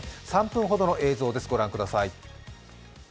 ３分ほどの映像です、御覧ください。